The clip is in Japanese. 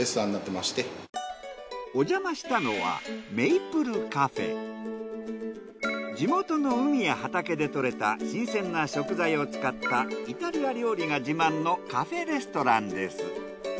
おじゃましたのは地元の海や畑でとれた新鮮な食材を使ったイタリア料理が自慢のカフェレストランです。